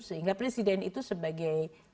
sehingga presiden itu sebagai